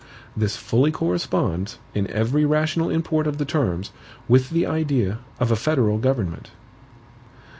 This fully corresponds, in every rational import of the terms, with the idea of a federal government.